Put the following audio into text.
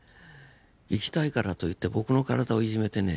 生きたいからといって僕の体をいじめてね